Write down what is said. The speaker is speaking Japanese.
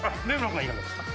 君はいかがですか？